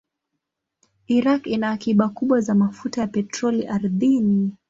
Iraq ina akiba kubwa za mafuta ya petroli ardhini.